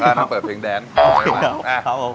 อันนั้นเปิดเพลงแดนโอเคครับครับผม